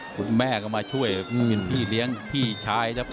คุณแม่ก็มาช่วยเป็นพี่เลี้ยงพี่ชายครับ